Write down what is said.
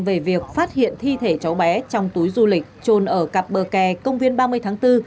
về việc phát hiện thi thể cháu bé trong túi du lịch trôn ở cặp bờ kè công viên ba mươi tháng bốn